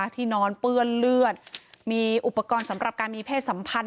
ที่นอนเปื้อนเลือดมีอุปกรณ์สำหรับการมีเพศสัมพันธ